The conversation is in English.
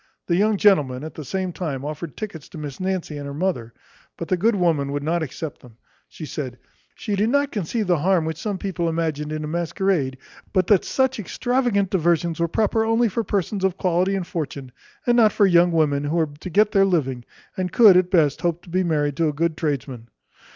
The young gentleman, at the same time, offered tickets to Miss Nancy and her mother; but the good woman would not accept them. She said, "she did not conceive the harm which some people imagined in a masquerade; but that such extravagant diversions were proper only for persons of quality and fortune, and not for young women who were to get their living, and could, at best, hope to be married to a good tradesman."